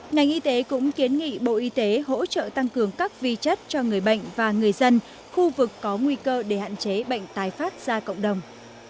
ngành y tế cũng kiến nghị bộ y tế hỗ trợ tăng cường các vi chất cho người bệnh và người dân khu vực có nguy cơ để hạn chế bệnh tái phát ra cộng đồng